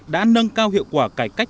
đã nâng cao hiệu quả cải cách